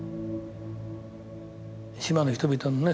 島の人々のね